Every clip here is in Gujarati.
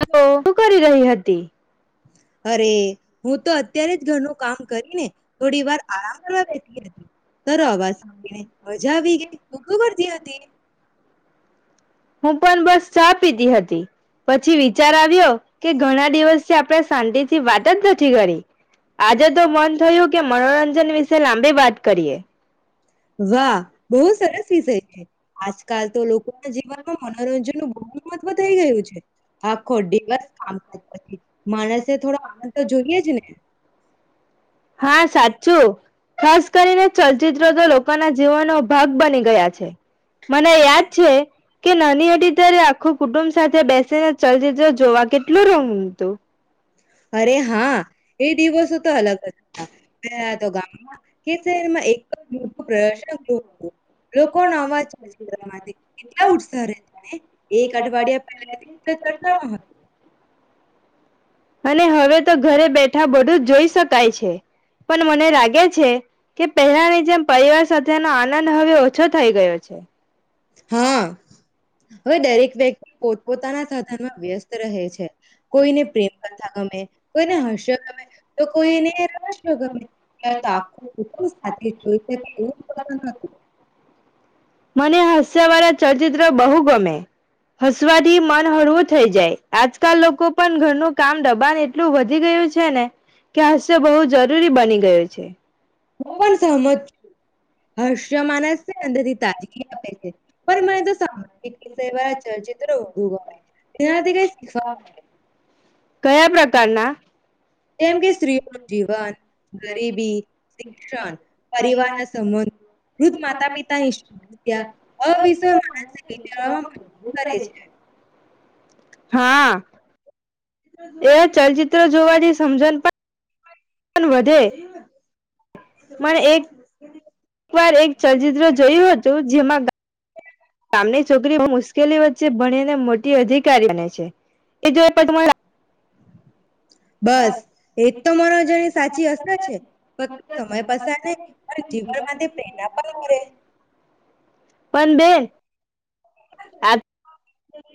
તો શું કરી રહી હતી. અરે હું તો અત્યારે જ ઘરનું કામ કરીને થોડી વાર આરામ કરવા બેતી હતી ત અવાજીને મજા આવી ગઈ તુ શુ કરતી હતી. હું પણ બસ ચા પીધી હતી. પછી વિચાર આવ્યો કે ઘણા દિવસે આપણે શાંતિથી વાત જ નથી કરી આજે તો મન થયું કે મનોરંજન વિશે લાંબી વાત. કરીએ. વાહ બહુ સરસ વિષય છે આજકાલ તો લોકો ના જીવન. મનોરંજન નું બહુ મહત્વ થઈ ગયું છે આખો દિવસછ માણસે થોડો અ તો જોઈએ જ ને. હા સાચું ખાસ કરીને ચલચિત્ર તો લોકોના જીવનનો ભાગ બની ગયા છે મને યાદ છે. કે નાની હતી ત્યારે આખું કુટુંબ સાથે બેસીને ચ જોવા કેટલું રંગ તો અરે હા એ દિવસો તો અલગ જ પહેલા તો ગામમાં કે શહેરમાં એક મોટું પ્રદર્શન લોકોનોો અવાજ. કેટલા ઉસને એક અઠવાડિયા પહેલા ચર્ચામાં હત. અને હવે તો ઘરે બેઠા બધું જ જોઈ શકાય છે પણ મને લાગે છે કે પહેલાની જેમ પરિવાર સાથેનો આનંદ હવે ઓછો થઈ ગયો છે. હા. હવે દરેક વ્યક્તિ પોતપોતાના સાધનમાં વ્યસ્ત રહે છે કોઈને પ્રેમકથા ગમે કોઈને હાસ્ય ગમે તો કોઈને [inaudible] વાળા ચયચિત્ર બહુ. ગમે. હસવાથી મન હળવું થઈ જાય આજકાલ લોકો પણ ઘરનું. કામ દબાણ એટલું વધી ગયું છે ને કે હાસ્ય બહુ જરૂરી બની ગયું છે. હું પણ સહમત છ. હર્ષ્ય માનસ છે અંદરથી તાજગી આપે છે પણ મને તો સામાજ વિષ વાળ ચચિત્રો વધુ ગ છે એનાથી ક શીખ. જેમ કે સ્ત્રીઓનું જીવન ગરીબી શિક્ષણ પરિવારના સંબંધોૃ માતા પિતાની સમસ્યા અ વિ માણસને નીચવામાં મજબૂર કરે છે. હા. એ ચલચિત્ર જોવાની સમજણ. વધે [unintelligible] પણ એક વાર એક ચલચિત્ર જોયું હતું. જેમાં ગામની છોકરીઓ મુશ્કેલી વચ્ચે ભણીને મોટી અધિકારી બને છે એ જો પણ તમારા. બસ એજ તો મનોરંજન ની સાચી અસર છે સમય પસાર નહી અને જીવનમાંથી પ્રેરણા પણ કરે. પણ બે. આ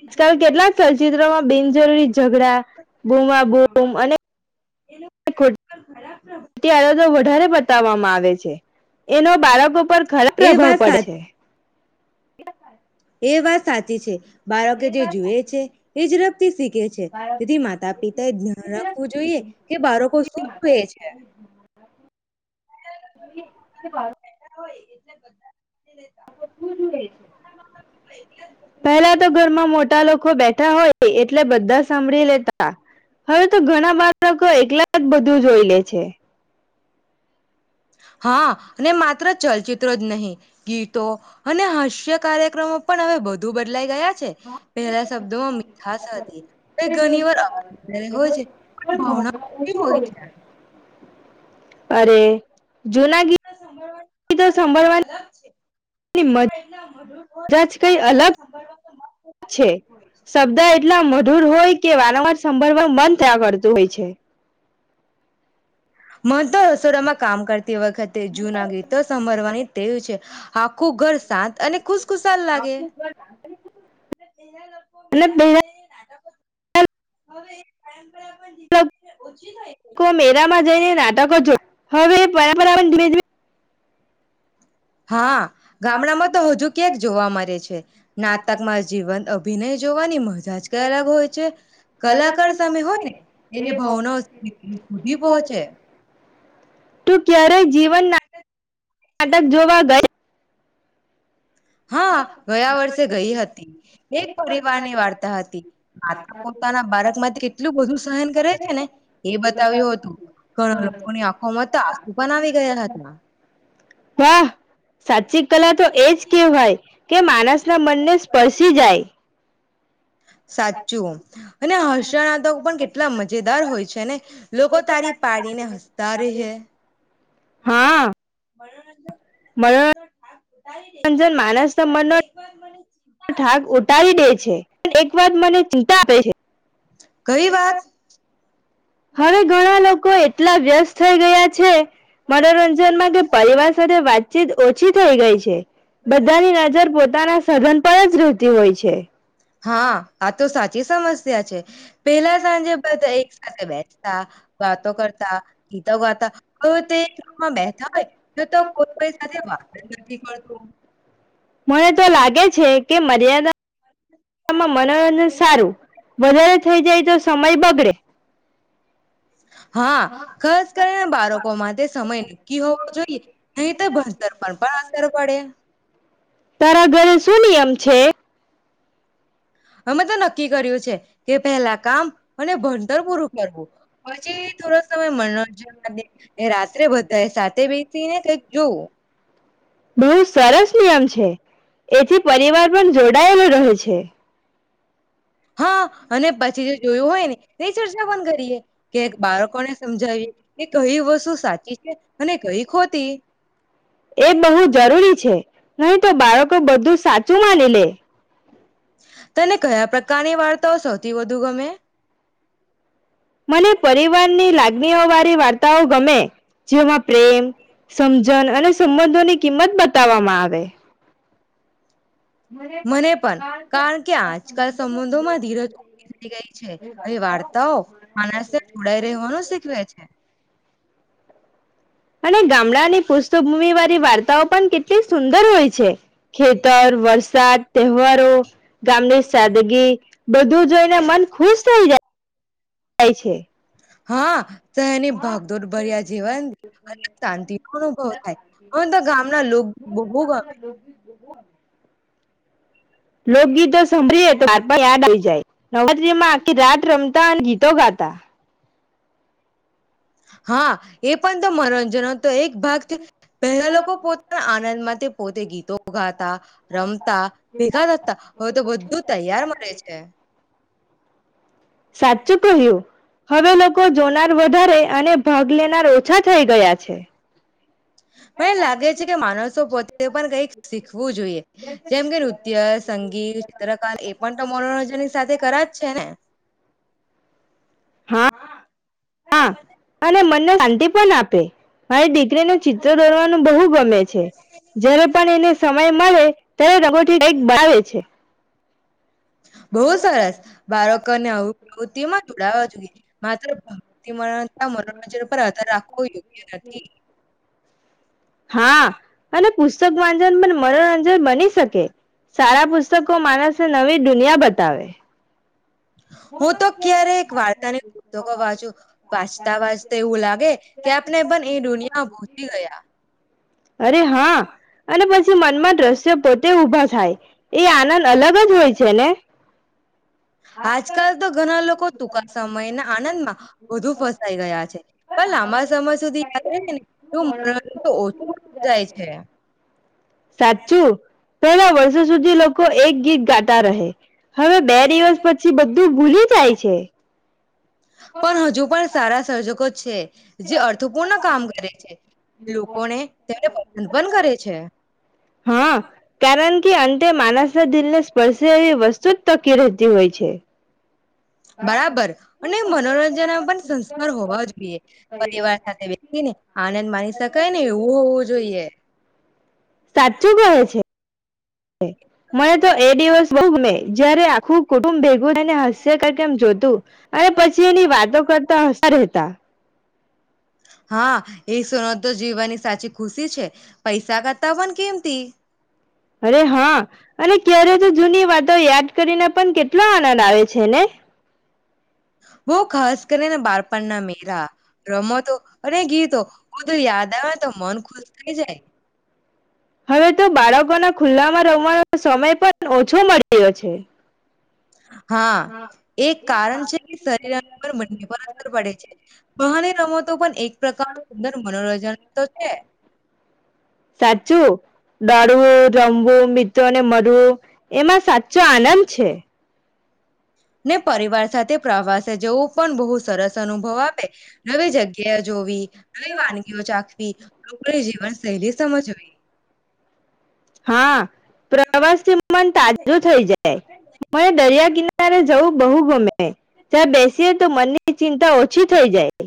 આજકાલ કેટલાક ચલચિત્રોમાં બિનજરૂરી ઝઘડા બૂમા બૂમ અને કો અત્યારે તો વધારે બતાવવામાં આવે છે એનો બાર ઉપ ખરાબ એ પ્રભાવ વાત પડે સાચી છે. [unintelligible] એ વાત સાચી છે. બાળકે જે જુએ છે એ ઝડપથી શીખે છે તેથી માતા પિતા એ ધ્યાન રાખવું જોઈએ કે બાળકો શું જુએ છે. [unintelligible] હોય એટલે બધા પહેલા તો ઘરમાં મોટા લોકો બેઠા હોય એટલે બધા સાંભળી લેતા હવે તો ઘણા બાળકો એકલા જ બધું જોઈ લે છે. હા માત્ર ચલચિત્રો જ નહી ગીતો અને હાસ્ય કાર્યક્રમો પણ હવે બધું બદલાઈ ગયા. પહેલા શબ્દોમાં મીઠાશ હતી ઘણી વાર અવાજ હોય છે પણ ભાવના હોય છે. અરે જૂના અરેભળવાની ગીતો ક સાંભળવાની અલગ છે. મજા ના મુર હો જ કઈ વારંવાર અલગ સાભળવા તો છે શબ્દ એટલા મો અઢૂર હોય કે વારંવાર સાભળવા મન થયા કરતું હોય છે. મહંત રસોડામાં કામ કરતા. તે વખતે જૂનાગીતો સાભરવાની તેવ છે આખું ઘર શાંત અને ખુશ ખુશાલ લાગે. અને પહેલા હ [unintelligible] મેરામાં જઈને નાટ. [unintelligible] હવે બરાબર આવે [unintelligible] હા ગામડામાં તો હજુ ક્યાંક જોવા મળે છે નાટકમાં જીવંત અભિનય જોવાની મજા જ કઈ અલગ હોય છે કલાકાર સામે હોયને એને ભાવના સુધી પહોંચે. તું ક્યારેય જીવન નાટક જોવા ગયા. હા ગયા વર્ષે ગઈ હતી એક પરિવારની વાર્તા હતી માતા પોતાના બાળક માંથી કેટલું બધું સહન કરે છે ને એ બતાવ્યું હતું ઘણા લોકોની આંખોમાં તો આસુ પણ આવી ગયા હતા. વાહ સાચી. કલા તો એજ કેવાય કે માનસ ના મનને સ્પર્શી જાય સાચું અને હ [unintelligible] લોકો પણ કેટલા મજેદાર હોય છે ને લોકો તારી પાડીને હસતા રહે. હા [unintelligible] રંજન માનસ ન મન ઠાક ઉટારી દે છે. એક વાર મને ચિંતા આપે છે. કઈ વાત હવે ઘણા લોકો એ પ્લ વ્યસ્ત થઈ ગયા છે, મનોરંજનમાં કે પરિવાર સાથે વાતચીત ઓછી થઈ ગઈ છે, બધાની નજર પોતાના સઘન પર જ રહેતી હોય છે. હા આ તો સાચી સમસ્યા છે, પેલા સાંજે બધા એક બેસતા વાતો કરતા, ગીતો ગાતા, હવે તે ગામમાં બેતા હોય તો તો કોઈ સાથે વાત નથી કરતું. મને તો લાગે છે કે મર્યાદા મનોરંજન સારું, વધારે થઈ જાય તો સમય બગ ડે હા, ખાસ કરીને બાળકો માટે સમય નક્કી હોવો જોઈએ, નહી તો ભણતર પર પણ અસર પડે. તારા ઘરે શું નિયમ છે. અમે તો નક્કી કર્યું છે, કે પહેલા કામ અને ભણતર પૂરું કરવું, પછી થોડો સમય મનોરંજન રાત્રે બધા સાથે બેસીને કઈક જોવું. બહુ સરસ નિયમ છે એથી પરિવાર પણ જોડાયેલો રહે છે. હા અને પછી જો જોયું હોય ને એ ન કરીએ કે બાળકોને સમજાવીએ કે કઈ વસ્તુ સાચી છે અને કઈ ખોટી એ બહુ જરૂરી છે, હું તો બાળકો બધું [unintelligible] તને કયા પ્રકારની વાર્તાઓ સૌથી વધુ ગમે. મને પરિવારની લાગણીઓ વાળી વાર્તા તાઓ ગમે. જેમાં પ્રેમ સમજન અને સંબંધોની કિંમત બતાવવામાં આવે. મને પણ કારણ કે આજકાલ સંબંધોમાં ધીરજ ઓી થઈ ગઈ છે એ વાર્તાઓ માણસને જોડાઈ રહેવાનું શીખવે છે. અને ગામડાની પુષ્ઠભૂમિ વાળી વાર્તાઓ પણ કેટલી સુંદર હોય છે ખેતર વરસાદ તહેવારો ગામની સાદગી બધું જોઈને મન ખુશ થઈ જાય. જાય છે. હા. શહેરની ભાગદોડ ભર્યા જેવા અલગ શાંતિ નો અનુભવ થાય હવે તો ગામના લોક બહુ ગમે. લોકગીત તો સાંભળીએ તો યાદ આવી જાય. નવરાત્રી મા આખી રાત. રમતા અને ગીતો ગાતા. હા એ પણ તો મનોરંજનનો તો એક ભાગ છે પહેલા લોકો પોતાના આનંદમાં પોતે ગીતો ગાતા રમતા ભેગા થતા હવે તો બધું તૈયાર મળે છે. સાચું કહ્યું. હવે લોકો. લોકો જોનાર વધારે અને ભાગ લેનાર ઓછા થઈ ગયા છે. મને એમ લાગે છે કે માણસો પોતે પણ કઈક શીખવું જોઈએ જેમ કે નૃત્ય સંગીત ચિત્રકાર એ પણ તો મનોરંજનની સાથે કરા જ છે ને. હા હા અને મનને શાંતિ પણ આપે. મારી દીકરીનું ચિત્ર દોરવાનું બહુ ગમે છે જ્યારે પણ એને સમય મળે ત્યારે રગોઠક બવે છે. બહુ સરસ બાળકોને પ્રવૃતિમાં જોડાવા જોઈએ માત્રતા મનોરંજન પર આધર રાખવો યોગ્ય નથી. હા અને પુસ્તક વાજન પણ મનોરંજન બની શકે. સારા પુસ્તકો માનસ નવી દુનિયા બતા ત આવે. હું તો ક્યારેક વાર્તાની પુસ્તકો વાંચું વાંચતા વાંચતા એવું લાગે કે આપણે પણ એ દુનિયામાં પહોંચી ગયા અરે હા અને પછી મનમાં દ્રશ્ય પોતે ઉભા થાય એ આનંદ અલગ જ હોય છે ને. આજ આકાલ તો ઘણા લોકો ટૂંકા સમય આનંદ માં બુ ફસાઈ ગયા છે પણ લાંબા સમય સુધી યાદ રહે ને ને એવું મનોરંજન તો ઓછું જાય છે. સાચું પહેલા વર્ષ જ સુધી લોકો એક ગીત હવે બે દિવસ પછી બધું ભૂલી જાય છે. પ છે. જે અર્થપૂર્ણ કામ કરે છે લોકોને તેને પસંદ પણ કરે છે. હા કારણ કે અંતે માનસના દિલને વસે વસ્તુ જ તકી રહે જ હોય છે. બરાબર અને મનોરંજનમાં પણ સંસ્કાર હોવા જોઈએ પરિવાર સાથે વસી ને આનંદ માની શકાય ને એવું હોવું જોઈએ. સાચું કહે છે. મને તો એ દિવસ બહ મે જયારે આખું કુટુંબ હસ્ય કર એમ જોતું અને પછી એની વાતો કરતા હસતાતા. હા એ સુનો તો જીવવાની સાચી ખુશી છે પૈસા કરતા પણ કેમતી અરે હા અને ક્યારે તો જૂની વાતો યાદ કરીને. પણ કેટલા આનંદ આવે છે ને બ ખાસ કરીને બાળપણના મેરા રમતો અને ગીતો બધું યાદ આવે તો મન ખુશ થઈ જાય. હવે તો બાળકોના ખુલ્લામાં રમવાનો સમય પણ ઓછો મળે યો છે. હા એક કારણ છે શરીર બંને પર અસર પડે છે બહાની રમતો પણ એક પ્રકાર સુંદર મનોરંજન તો છે. જું ડા મળું રમવું મિત્રો ને મરવું એમાં સાચો આનંદ છે. ને પરિવાર સાથે પ્રવાસે જવું પણ બહુ સરસ અનુભવ આપે નવી જગ્યાએ જોવી નવી વાનગીઓ ચાખવી લોકો જીવન શૈલી સમજવી. હા પ્રવાસથી મન તાજું થઈ જાય મ દરિયા કિના ત્યારે જવું બહુ ગમે જ્યાં બેસીએ તો મનની ચિંતા ઓછી થઈ જાય.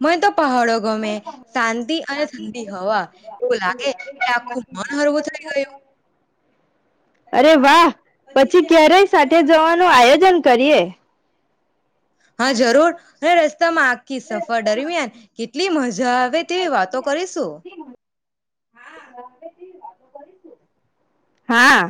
મને તો પહાડો ગમે શાંતિ અને ઠડી હવા એવું લાગે કે આખું મન હરવું થઈ ગયું. અરે વાહ પછી ક્યારેય સાથે જવાનું આયોજન કરીએ. હા જરૂર રસ્તામાં આખી સફર દરમિયાન કેટલી મજા આવે તેવી વાતો કરીશું. હા.